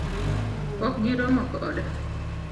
Pok giromo kode